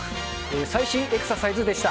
最新エクササイズでした。